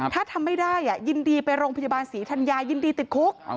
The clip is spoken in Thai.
ถ้าทำไม่ได้ยินดีไปโรงพยาบาลศรีธัญญายินดีติดคุก